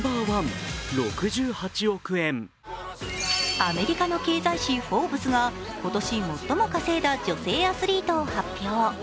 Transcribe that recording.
アメリカの経済誌「フォーブス」が「今年最も輝いた女性アスリート」を発表。